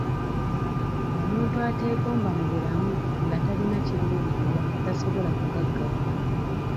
Omuntu ateegomba mu bulamu nga talina kiruubirirwa tasobola kugaggawala.